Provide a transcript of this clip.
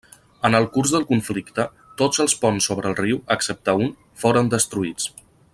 En el curs del conflicte tots els ponts sobre el riu, excepte un, foren destruïts.